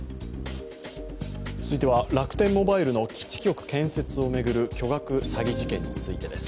続いては楽天モバイルの基地局建設を巡る巨額詐欺事件についてです。